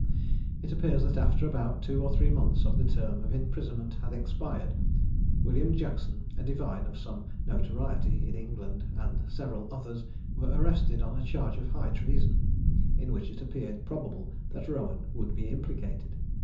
It appears that after about two or three months of the term of imprisonment had expired, William Jackson, a divine of some notoriety in England, and several others were arrested on a charge of high treason, in which it appeared probable that Rowan would be implicated.